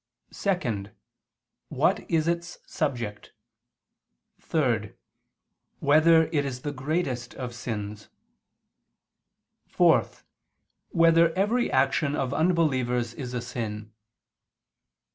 (2) What is its subject? (3) Whether it is the greatest of sins? (4) Whether every action of unbelievers is a sin?